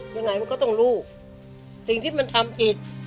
ยังไงมันก็ต้องลูกสิ่งที่มันทำผิด